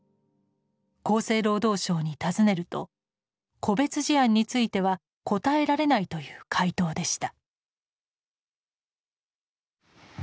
厚生労働省に尋ねると「個別事案については答えられない」という回答でした。